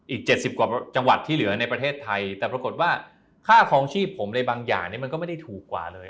๗๐กว่าจังหวัดที่เหลือในประเทศไทยแต่ปรากฏว่าค่าคลองชีพผมในบางอย่างเนี่ยมันก็ไม่ได้ถูกกว่าเลย